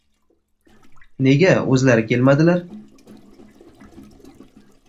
— Nega o‘zlari kelmadilar?